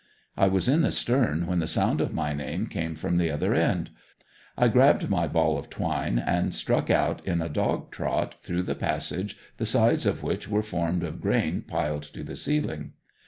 I was in the stern when the sound of my name came from the other end; I grabbed my ball of twine and struck out in a dog trot through the passage the sides of which were formed of grain piled to the ceiling.